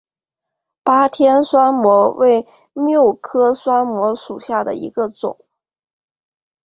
巴天酸模为蓼科酸模属下的一个种。